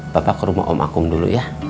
bapak ke rumah om akung dulu ya